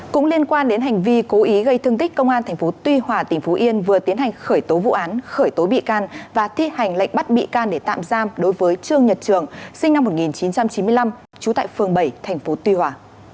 cũng liên quan đến hành vi cố ý gây thương tích công an tp tuy hòa tỉnh phú yên vừa tiến hành khởi tố vụ án khởi tố bị can và thi hành lệnh bắt bị can để tạm giam đối với trương nhật trường sinh năm một nghìn chín trăm chín mươi năm trú tại phường bảy tp tuy hòa